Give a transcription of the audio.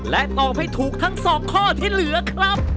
ตอบให้ถูกทั้ง๒ข้อที่เหลือครับ